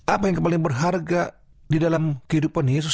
apa yang paling berharga di dalam kehidupan yesus